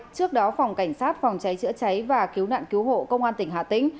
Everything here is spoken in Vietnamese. trước đó phòng cảnh sát phòng cháy chữa cháy và cứu nạn cứu hộ công an tỉnh hà tĩnh